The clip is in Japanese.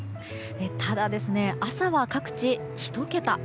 ただ、朝は各地１桁。